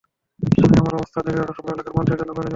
আমি আমার অবস্থান থেকে যতটা সম্ভব এলাকার মানুষের জন্য করে যাব।